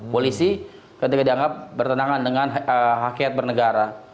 polisi ketika dianggap bertenangan dengan hakikat bernegara